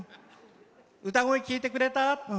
歌声、聴いてくれた？